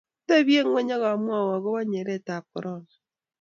atebie ng'ony akamwou akobo nyeranetab korona